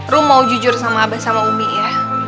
ruh mau jujur sama abah sama umi ya